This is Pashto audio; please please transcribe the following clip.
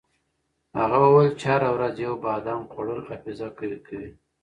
هغه وویل چې هره ورځ یو بادام خوړل حافظه قوي کوي.